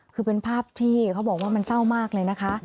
คือเป็นภาพที่เขาบอกว่ามันเศร้ามากเลยนะคะ